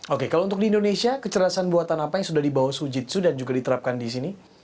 oke kalau untuk di indonesia kecerdasan buatan apa yang sudah dibawa sujitsu dan juga diterapkan di sini